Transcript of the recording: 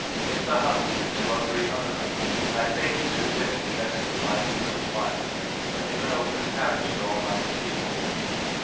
Mr. Hunt, with two or three other men, and I think two women dressed in light blue and wbitie, weite in an (^msi carriage drawn by the peo[4e.